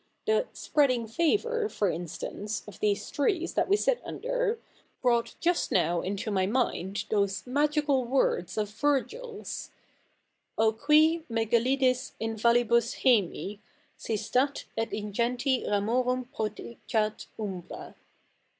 The " spreading favour," for instance, of these trees that we sit under, brought just now into my mind those magical words of Virgil's — O qui me gelidis in vallibus Haenii Sistat, et ingenti ramorum protegat umbra